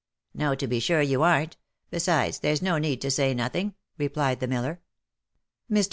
" No, to be sure you arn't — besides there's no need to say nothing," replied the miller. Mr.